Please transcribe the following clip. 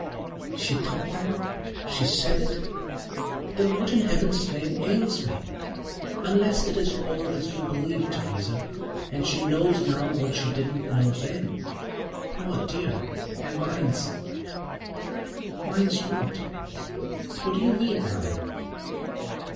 "She thought that? She said it? Then what in Heaven's name ails me?—unless it is all as you believe, Theresa, and she knows now what she didn't know then, poor dear, and minds——" "Minds what? What do you mean, Allan?"